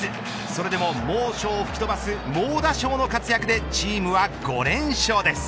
それでも猛暑を吹き飛ばす猛打賞の活躍でチームは５連勝です。